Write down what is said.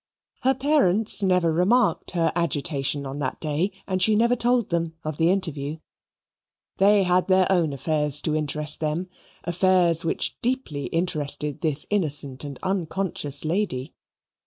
Her parents never remarked her agitation on that day, and she never told them of the interview. They had their own affairs to interest them, affairs which deeply interested this innocent and unconscious lady.